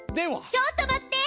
ちょっと待って！